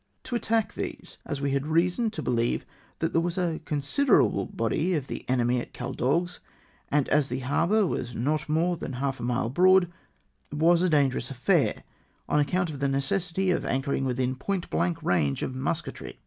To attack these, as we had reason to believe that there was a considerable body of the enemy at Caldagues, and as the harbour was not more than half a mile broad, was a dangerous affair, on account of the necessity of anchoring within point blank range of musketry.